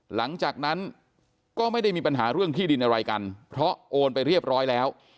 หลังจากนั้นก็ไม่ได้มีปัญหาเรื่องที่ดินอะไรกันเพราะโอนไปเรียบร้อยแล้ว